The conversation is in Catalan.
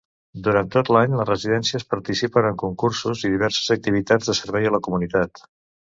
Durant tot l'any, les residències participen en concursos i diverses activitats de servei a la comunitat.